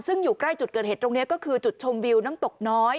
ซึ่งอยู่ใกล้จุดเกิดเหตุตรงนี้ก็คือจุดชมวิวน้ำตกน้อย